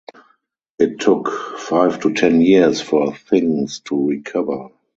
It took five to ten years for things to recover.